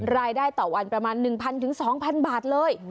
รายได้ต่อวันประมาณ๑๐๐๒๐๐บาทเลย